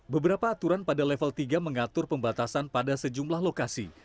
beberapa aturan pada level tiga mengatur pembatasan pada sejumlah lokasi